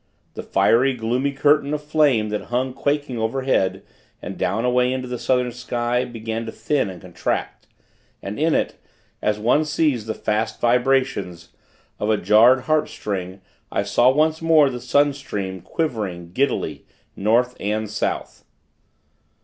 The fiery, gloomy curtain of flame that hung quaking overhead, and down away into the Southern sky, began to thin and contract; and, in it, as one sees the fast vibrations of a jarred harp string, I saw once more the sun stream quivering, giddily, North and South.